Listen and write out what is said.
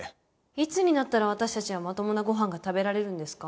いつになったら私たちはまともなご飯が食べられるんですか？